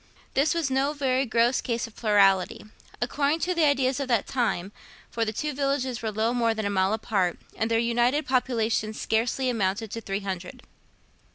This was no very gross case of plurality, according to the ideas of that time, for the two villages were little more than a mile apart, and their united populations scarcely amounted to three hundred.